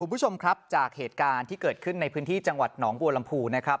คุณผู้ชมครับจากเหตุการณ์ที่เกิดขึ้นในพื้นที่จังหวัดหนองบัวลำพูนะครับ